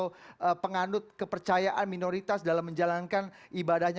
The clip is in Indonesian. baik agama minoritas atau penganut kepercayaan minoritas dalam menjalankan ibadahnya